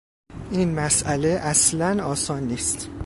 این مسئله اصلا آسان نیست.